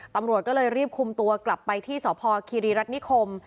ตำรวจก็เลยรีบคุมตัวกลับไปที่สพคีรีรัฐนิคม